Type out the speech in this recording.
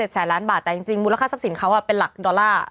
แสนล้านบาทแต่จริงมูลค่าทรัพย์สินเขาเป็นหลักดอลลาร์